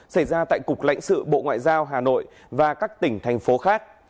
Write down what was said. xảy ra tại cục lãnh sự bộ ngoại giao hà nội và các tỉnh thành phố khác